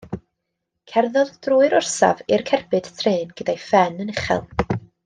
Cerddodd drwy'r orsaf i'r cerbyd trên gyda'i phen yn uchel.